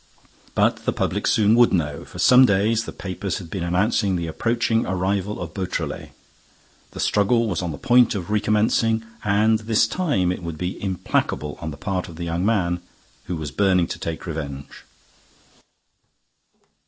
But the public soon would know. For some days, the papers had been announcing the approaching arrival of Beautrelet. The struggle was on the point of recommencing; and, this time, it would be implacable on the part of the young man, who was burning to take his revenge.